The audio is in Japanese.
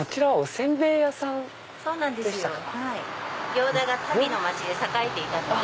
行田が足袋の街で栄えてたので。